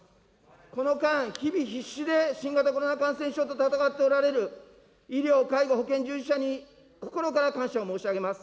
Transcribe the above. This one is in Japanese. この間、日々、必死で新型コロナ感染症と闘っておられる医療、介護、保健従事者に心から感謝を申し上げます。